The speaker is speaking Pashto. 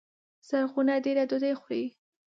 زرغونه دېره ډوډۍ خوري